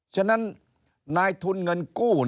ฉะนั้นนายทุนเงินกู้